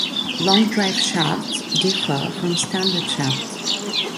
Long drive shafts differ from standard shafts.